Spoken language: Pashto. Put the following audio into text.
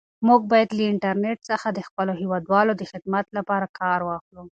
موږ باید له انټرنیټ څخه د خپلو هیوادوالو د خدمت لپاره کار واخلو.